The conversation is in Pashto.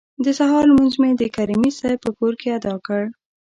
د سهار لمونځ مو د کریمي صیب په کور کې ادا کړ.